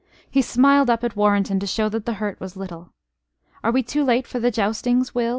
He smiled up at Warrenton to show that the hurt was little. "Are we too late for the joustings, Will?"